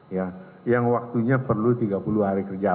ya yang waktunya perlu tiga puluh hari kerja